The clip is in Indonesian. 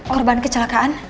odin korban kecelakaan